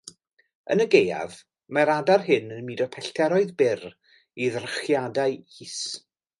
Yn y gaeaf, mae'r adar hyn yn mudo pellteroedd byr i ddrychiadau is.